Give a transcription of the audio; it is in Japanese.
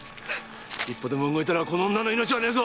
一歩でも動いたらこの女の命はねえぞ！